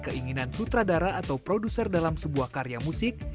keinginan sutradara atau produser dalam sebuah karya musik